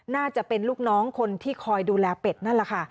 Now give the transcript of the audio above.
น่าจะเป็นลูกน้องคนที่คอยดูแลเป็ดนั่นแหละค่ะ